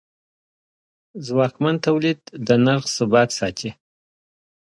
ځواکمن تولید د نرخ ثبات ساتي.